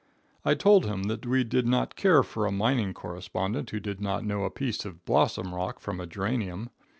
I told him that we did not care for a mining correspondent who did not know a piece of blossom rock from a geranium.